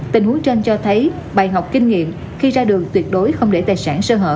tình huống trên cho thấy bài học kinh nghiệm khi ra đường tuyệt đối không để tài sản sơ hở